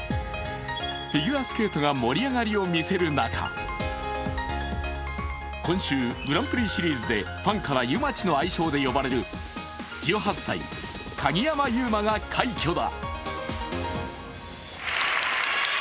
フィギュアスケートが盛り上がりを見せる中、今週グランプリシリーズでファンから、ゆまちの愛称で呼ばれる１８歳、鍵山優真が快挙だ。